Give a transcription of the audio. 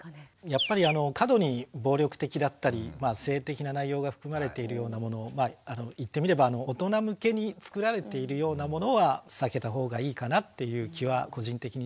やっぱり過度に暴力的だったり性的な内容が含まれているようなものまあ言ってみれば大人向けに作られているようなものは避けた方がいいかなっていう気は個人的にします。